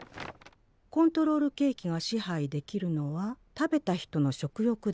コントロールケーキが支配できるのは食べた人の食欲だけである。